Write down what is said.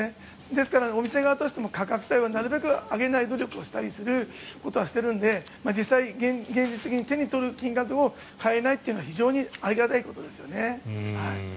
ですからお店側としても価格帯はなるべく上げないようにするということはしているので実際、現実的に手に取る金額を変えないというのは非常にありがたいことですね。